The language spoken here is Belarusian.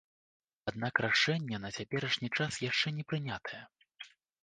Аднак рашэнне на цяперашні час яшчэ не прынятае.